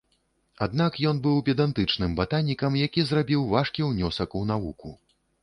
Аднак ён быў педантычным батанікам, які зрабіў важкі ўнёсак у навуку.